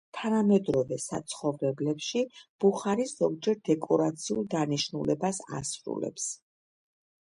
თანამედროვე საცხოვრებლებში ბუხარი ზოგჯერ დეკორაციულ დანიშნულებას ასრულებს.